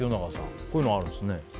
こういうのがあるんですね。